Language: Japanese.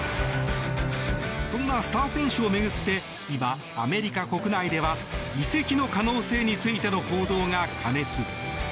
そんなスター選手を巡って今、アメリカ国内では移籍の可能性についての報道が過熱。